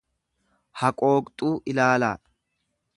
haqooqxuu ilaalaa.